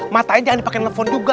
matanya jangan dipakai nelfon juga